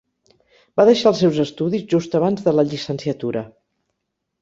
Va deixar els seus estudis just abans de la llicenciatura.